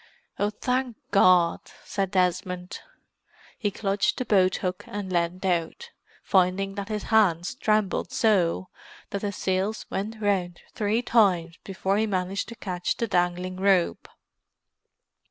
"Oh, thank God!" said Desmond. He clutched the boathook and leaned out, finding that his hands trembled so that the sails went round three times before he managed to catch the dangling rope.